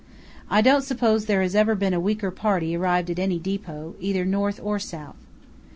I don't suppose there has ever been a weaker party arrive at any depot, either north or south.